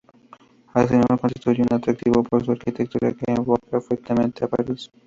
Asimismo constituye un atractivo por su arquitectura, que evoca fuertemente a París.